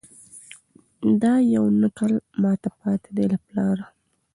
دا یو نکل ماته پاته دی له پلاره